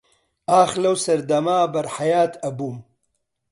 ئاخ لەو سەردەما بەر حەیات ئەبووم